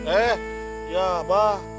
eh ya abah